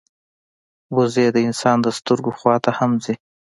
وزې د انسان د سترګو خوا ته هم ځي